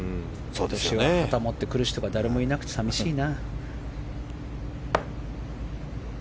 今年は旗を持ってくる人が誰もいなくて寂しいな。